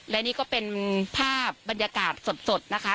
และนี่ก็เป็นภาพบรรยากาศสดนะคะ